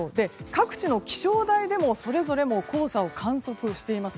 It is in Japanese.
各地の気象台でもそれぞれ黄砂を観測しています。